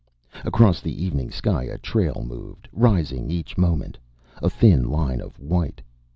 Across the evening sky a trail moved, rising each moment. A thin line of white.